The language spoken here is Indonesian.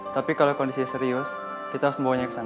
tapi kalo kondisinya serius kita harus membawanya kesana